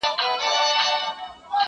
خو تر مرګه یې دا لوی شرم په ځان سو.!